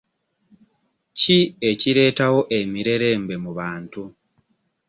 Ki ekireetawo emirerembe mu bantu?